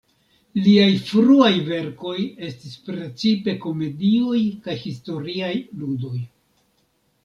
Liaj fruaj verkoj estis precipe komedioj kaj historiaj ludoj.